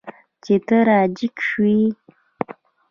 چې ته را جګ شوی یې.